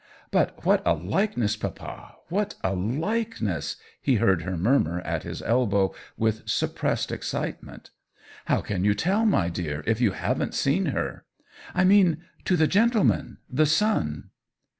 " But what a likeness, papa — what a likeness!" he heard her murmur at his elbow with sup pressed excitement. " How can you tell, my dear, if you haven't seen her ?"" I mean to the gentleman — the son."